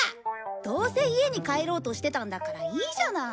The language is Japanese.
どうせ家に帰ろうとしてたんだからいいじゃない。